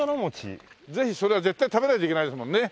ぜひそれは絶対食べないといけないですもんね。